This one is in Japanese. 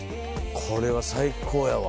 これは最高やわ。